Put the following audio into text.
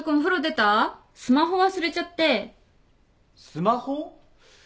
スマホ？